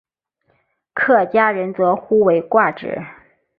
客家人则呼为挂纸。